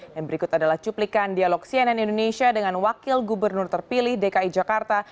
yang berikut adalah cuplikan dialog cnn indonesia dengan wakil gubernur terpilih dki jakarta